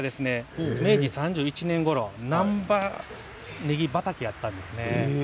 明治３１年ごろ難波ねぎ畑だったんですね。